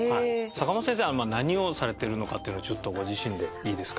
坂本先生は何をされてるのかというのをちょっとご自身でいいですか？